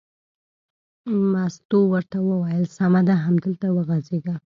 مستو ورته وویل: سمه ده همدلته وغځېږه.